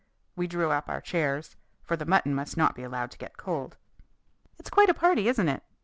We drew up our chairs, for the mutton must not be allowed to get cold. "It's quite a party, isn't it?"